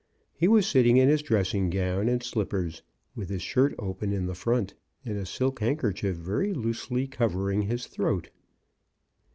He was sitting in his dress ing gown and slippers, with his shirt open in the front, and a silk handkerchief very loosely covering his throat.